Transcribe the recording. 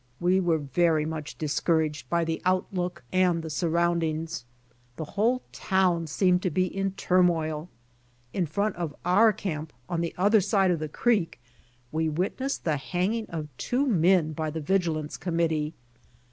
We were very much discouraged by the outlook and the surroundings. The whole town seemied to be in a turmoil. In front of our camp on the other side of the creek we witnessed the hanging of two men by the Vigilance Committee.